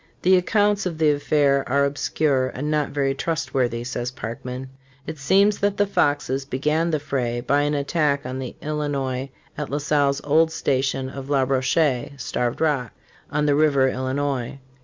"The accounts of the affair are obscure and not very trustworthy," says Parkman.f ''It seems that the Foxes began the fray by an attack on the Illinois at La Salle's old station of La Rocher [Starved Rock], on the river Illinois.